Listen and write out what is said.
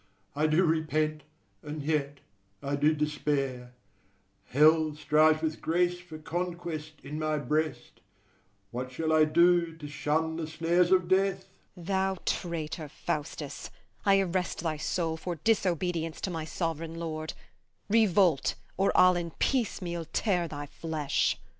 I do repent; and yet I do despair: Hell strives with grace for conquest in my breast: What shall I do to shun the snares of death? MEPHIST. Thou traitor, Faustus, I arrest thy soul For disobedience to my sovereign lord: Revolt, or I'll in piece meal tear thy flesh.